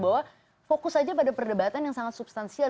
bahwa fokus saja pada perdebatan yang sangat substansial